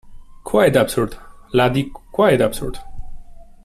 Quite absurd, laddie — quite absurd.